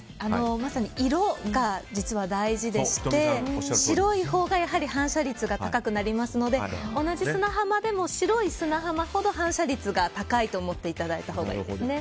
まさに色が実は大事で白いほうが反射率が高くなりますので、同じ砂浜でも白い砂浜ほど反射率が高いと思っていただいたほうがいいですね。